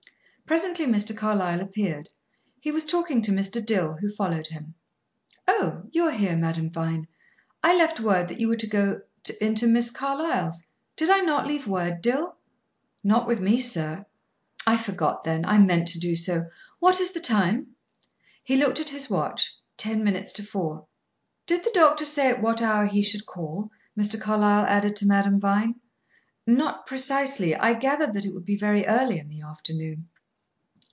Presently Mr. Carlyle appeared. He was talking to Mr. Dill, who followed him. "Oh, you are here, Madame Vine! I left word that you were to go into Miss Carlyle's. Did I not leave word, Dill?" "Not with me, sir." "I forgot it, then; I meant to do so. What is the time?" He looked at his watch: ten minutes to four. "Did the doctor say at what hour he should call?" Mr. Carlyle added to Madame Vine. "Not precisely. I gathered that it would be very early in the afternoon."